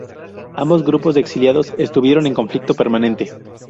Ambos grupos de exiliados estuvieron en conflicto permanente.